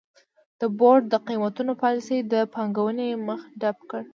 د بورډ د قېمتونو پالیسۍ د پانګونې مخه ډپ کړه.